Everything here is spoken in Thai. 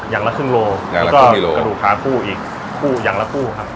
อย่างละครึ่งโลอย่างละครึ่งกิโลกระดูกขาคู่อีกคู่อย่างละคู่ครับ